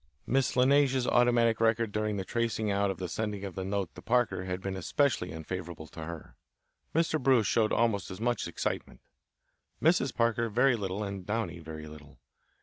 Miss La Neige's automatic record during the tracing out of the sending of the note to Parker had been especially unfavourable to her; Mr. Bruce showed almost as much excitement; Mrs. Parker very little and Downey very little.